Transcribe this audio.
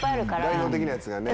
代表的なやつがね。